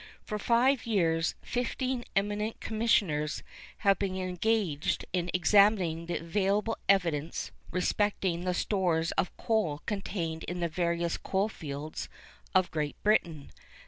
For five years fifteen eminent Commissioners have been engaged in examining the available evidence respecting the stores of coal contained in the various coal fields of Great Britain.